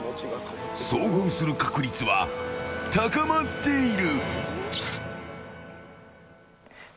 遭遇する確率は高まっている。